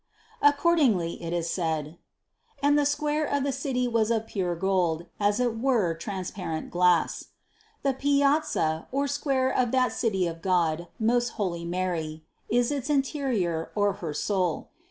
298. Accordingly it is said: "And the square of the city was of pure gold, as it were transparent glass." The piazza or square of that City of God, most holy Mary, is its interior or her soul.